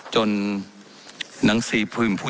ว่าการกระทรวงบาทไทยนะครับ